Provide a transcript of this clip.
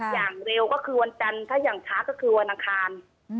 อย่างเร็วก็คือวันจันทร์ถ้าอย่างช้าก็คือวันอังคาร